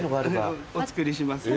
お作りしますよ。